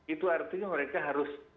itu artinya mereka harus